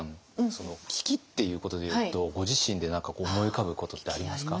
その危機っていうことでいうとご自身で何か思い浮かぶことってありますか？